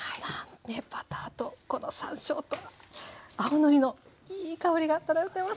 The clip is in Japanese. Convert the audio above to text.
バターとこの山椒と青のりのいい香りが漂ってます。